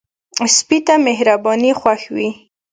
سپي ته مهرباني خوښ وي.